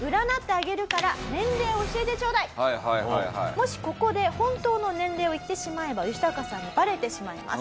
もしここで本当の年齢を言ってしまえばヨシタカさんにバレてしまいます。